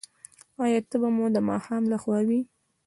ایا تبه مو د ماښام لخوا وي؟